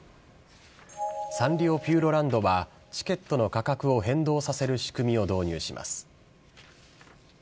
サンリオピューロランドは、チケットの価格を変動させる仕組みを導入します。